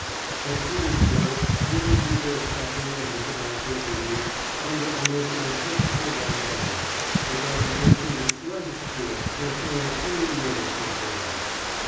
At Petersburg women did their shopping and went about their duties under a most uncomfortable bombardment, without evincing the slightest fear or showing any nervousness whatever.